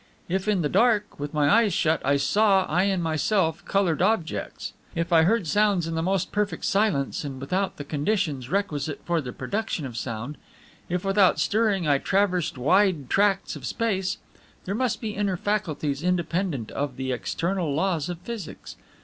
If, in the dark, with my eyes shut, I saw, in myself, colored objects; if I heard sounds in the most perfect silence and without the conditions requisite for the production of sound; if without stirring I traversed wide tracts of space, there must be inner faculties independent of the external laws of physics.